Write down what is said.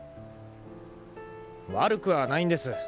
悪くはないんです。